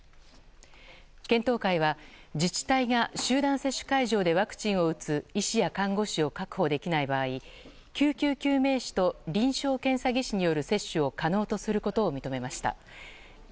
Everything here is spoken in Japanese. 検討会は自治体が集団接種会場でワクチンを打つ医師や看護師を確保できない場合救急救命士と臨床検査技師による接種を可能とすることを認めました。